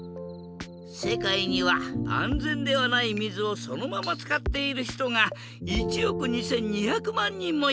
世界には安全ではない水をそのまま使っている人が１億２２００万人もいるんだ。